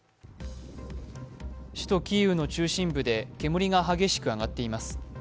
首都キーウの中心部で煙が激しく上がっています。